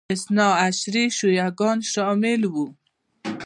اثناعشري شیعه ګان شامل وو